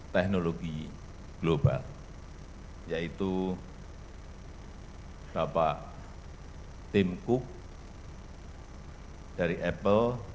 teknologi global yaitu bapak tim cook dari apple